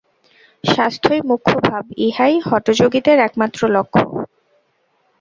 স্বাস্থ্যই মুখ্য ভাব ইহাই হঠযোগীদের একমাত্র লক্ষ্য।